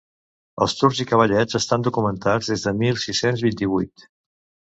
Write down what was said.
Els Turcs i cavallets estan documentats des del mil sis-cents vint-i-vuit.